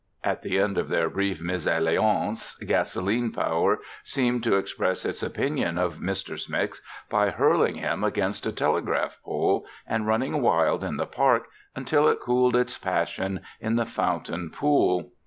At the end of their brief misalliance, Gasoline Power seemed to express its opinion of Mr. Smix by hurling him against a telegraph pole and running wild in the park until it cooled its passion in the fountain pool.